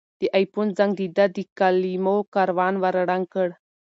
د آیفون زنګ د ده د کلمو کاروان ور ړنګ کړ.